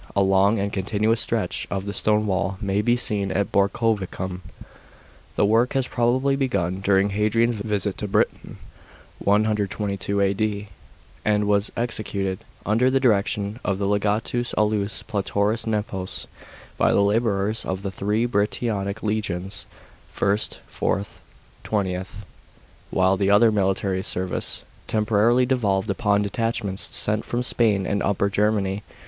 A long and continuous stretch of the stone wall may be seen at Borcovicium.* The work was probably begun during Hadrian's visit to Britain (122 A.D.) and was executed, under the direction of the legatus, Aulus Platorius Nepos, by the labours of the three Britannic legions (II., VI., XX.,); while the other military service tem porarily devolved upon detachments sent from Spain and Upper Germany.